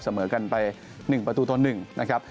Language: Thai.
เสมอกันไป๑ประตูต่อ๑นะครับ